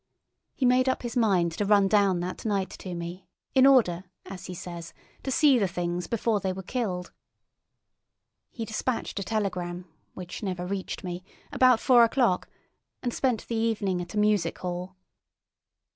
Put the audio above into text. He made up his mind to run down that night to me, in order, as he says, to see the Things before they were killed. He dispatched a telegram, which never reached me, about four o'clock, and spent the evening at a music hall.